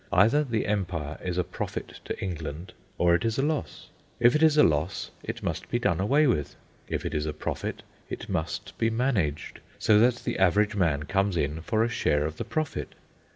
Either the Empire is a profit to England, or it is a loss. If it is a loss, it must be done away with. If it is a profit, it must be managed so that the average man comes in for a share of the profit.